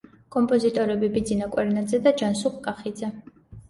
კომპოზიტორები: ბიძინა კვერნაძე და ჯანსუღ კახიძე.